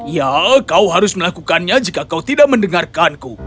ya kau harus melakukannya jika kau tidak mendengarkanku